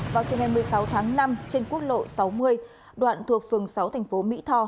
vào trường ngày một mươi sáu tháng năm trên quốc lộ sáu mươi đoạn thuộc phường sáu thành phố mỹ tho